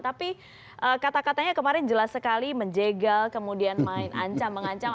tapi kata katanya kemarin jelas sekali menjegal kemudian main ancam mengancam